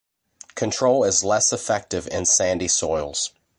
Control is less effective in sandy soils.